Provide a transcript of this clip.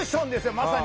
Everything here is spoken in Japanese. まさに。